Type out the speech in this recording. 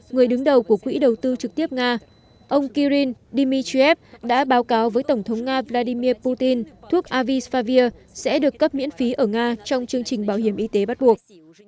người đứng đầu của quỹ đầu tư trực tiếp nga ông kiril dmitriev đã báo cáo với tổng thống nga vladimir putin thuốc avisfavir sẽ được cấp miễn phí ở nga trong chương trình bảo hiểm y tế bắt buộc